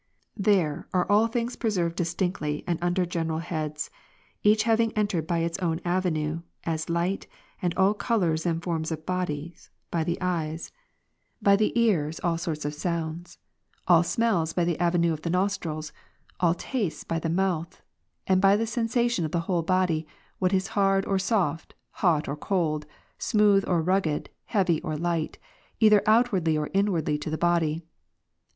13. There are all things preserved distinctly and under general heads, each having entered by its own avenue : as light, and all colours and forms of bodies, by the eyes ; Astonishing manifoldness of memory, 189 by the ears till sorts of sounds ; all smells by the avenue of the nostrils ; all tastes by the mouth ; and by the sensation of the whole body, Avhat is hard or soft ; hot or cold ; smooth ori ugged; heavy or light; either outwardly or inwardly to the body.